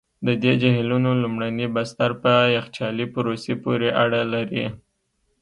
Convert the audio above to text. د دې جهیلونو لومړني بستر په یخچالي پروسې پوري اړه لري.